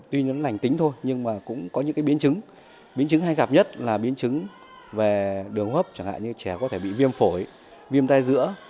tuy nhiên lành tính thôi nhưng cũng có những biến chứng biến chứng hay gặp nhất là biến chứng về đường hấp chẳng hạn như trẻ có thể bị viêm phổi viêm tai dữa